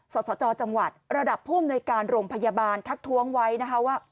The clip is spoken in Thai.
สสจจังหวัดระดับผู้อำนวยการโรงพยาบาลทักท้วงไว้นะคะว่า